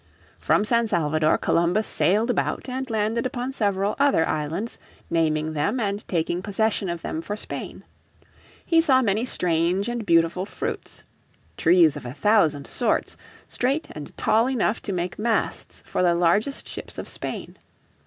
From San Salvador Columbus sailed about and landed upon several other islands, naming them and taking possession of them for Spain. He saw many strange and beautiful fruits: "trees of a thousand sorts, straight and tall enough to make masts for the largest ships of Spain."